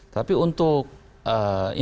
tapi untuk ini